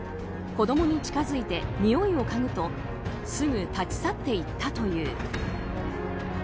子供に近づいてにおいをかぐとすぐ立ち去って行ったという。